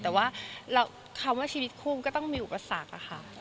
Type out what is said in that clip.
แต่ว่าคำว่าชีวิตคู่ก็ต้องมีอุปสรรคค่ะ